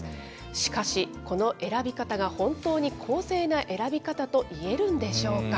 しかし、この選び方が本当に公正な選び方といえるんでしょうか。